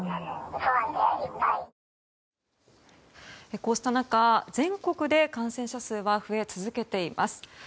こうした中全国で感染者数が増え続けています。